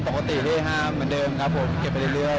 ปกติพี่ฮาเหมือนเดิมครับผมเก็บไปเรื่อย